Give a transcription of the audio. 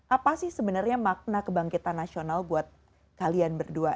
apa sih sebenarnya makna kebangkitan nasional buat kalian berdua